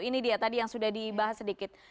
ini dia tadi yang sudah dibahas sedikit